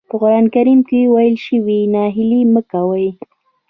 په قرآن کريم کې ويل شوي ناهيلي مه کوئ.